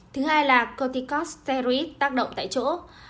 thứ hai là corticosteroids tác động tại chỗ